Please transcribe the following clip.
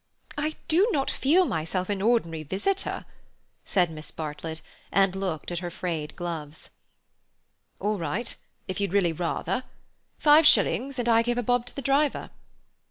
"I do not feel myself an ordinary visitor," said Miss Bartlett, and looked at her frayed glove. "All right, if you'd really rather. Five shillings, and I gave a bob to the driver."